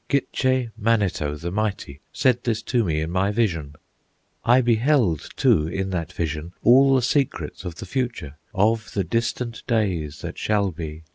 Gitche Manito, the Mighty, Said this to me in my vision. "I beheld, too, in that vision All the secrets of the future, Of the distant days that shall be.